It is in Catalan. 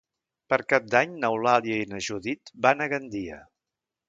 Per Cap d'Any n'Eulàlia i na Judit van a Gandia.